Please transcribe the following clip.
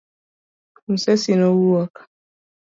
Musesi nowuok